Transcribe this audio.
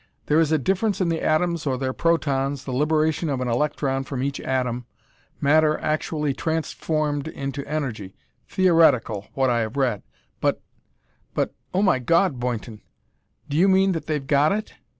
There is a difference in the atoms or their protons the liberation of an electron from each atom matter actually transformed into energy; theoretical, what I have read. But but Oh my God, Boynton, do you mean that they've got it?